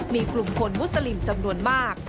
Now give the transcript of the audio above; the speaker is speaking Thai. มีกลุ่มคนมุสลิมจำนวนมาก